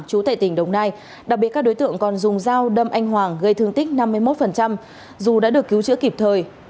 chú tại tỉnh đồng nai đặc biệt các đối tượng còn dùng dao đâm anh hoàng gây thương tích năm mươi một dù đã được cứu chữa kịp thời